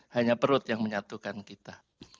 hanya perut yang menyatukan kita